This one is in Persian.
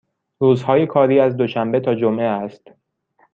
روزهای کاری از دوشنبه تا جمعه است.